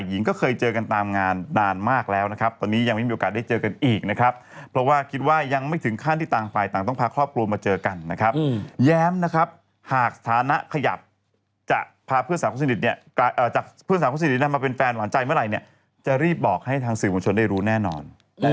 แย้มนะครับหากฐานะขยับจะพาเพื่อนสามารถสนิทนี้มาเป็นแฟนหวานใจเมื่อไหร่เนี่ยจะรีบบอกให้ทางสื่อวงชนได้รู้แน่นอน